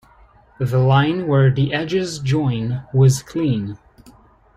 The line where the edges join was clean.